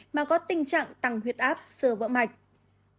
mà có tình trạng tăng huyết áp sơ vỡ mạch